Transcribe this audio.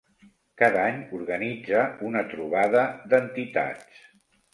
Cada any organitza una trobada d'entitats.